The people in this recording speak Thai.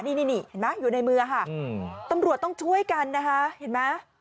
นี่นี่เห็นไหมอยู่ในมือค่ะตำรวจต้องช่วยกันนะคะเห็นไหม